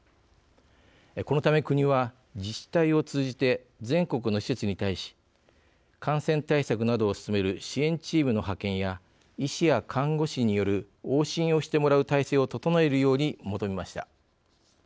このため、国は自治体を通じて全国の施設に対し感染対策などを進める支援チームの派遣や医師や看護師による往診をしてもらう体制を整えるように求めました。